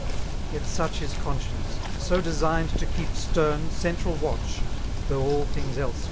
Yet such is conscience^ — so designed to keep Stern, central watch^ though all things else